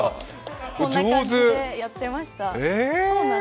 こんな感じでやってました。